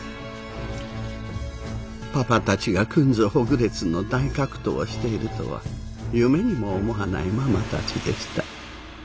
パパたちがくんずほぐれつの大格闘をしているとは夢にも思わないママたちでした。